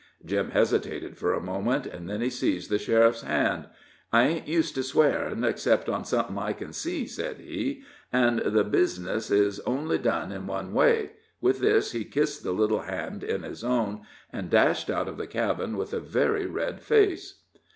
Jim hesitated for a moment; then he seized the sheriff's hand. "I ain't used to swearin' except on somethin' I can see," said he, "an' the bizness is only done in one way," with this he kissed the little hand in his own, and dashed out of the cabin with a very red face.